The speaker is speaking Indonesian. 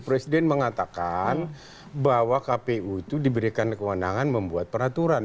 presiden mengatakan bahwa kpu itu diberikan kewenangan membuat peraturan